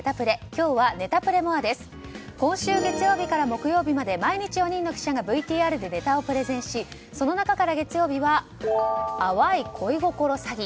今週月曜日から木曜日まで毎日４人の記者がＶＴＲでネタをプレゼンしその中から月曜日は淡い恋心詐欺。